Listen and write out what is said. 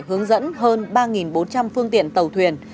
hướng dẫn hơn ba bốn trăm linh phương tiện tàu thuyền